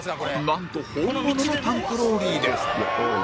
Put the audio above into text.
なんと本物のタンクローリーで